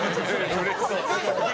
うれしそう。